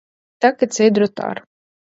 Так і цей дротар.